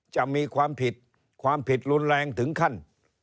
จะมีความผิดความผิดรุนแรงถึงขั้น